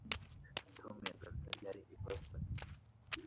Tom yagarutse ryari i Boston?